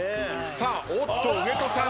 おっと上戸さん